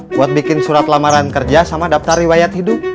buat bikin surat lamaran kerja sama daftar riwayat hidup